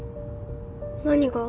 何が？